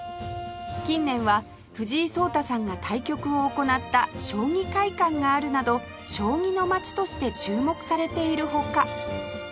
近年は藤井聡太さんが対局を行った将棋会館があるなど将棋の街として注目されているほか